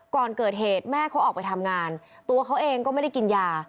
ก่อนเกิดเหตุแม่เขาออกไปทำงานตัวเขาเองก็ไม่ได้กินยา